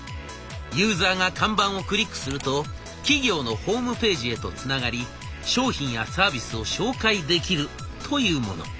ユーザーが看板をクリックすると企業のホームページへとつながり商品やサービスを紹介できるというもの。